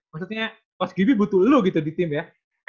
maksudnya coach gibi butuh lu gitu di tim ya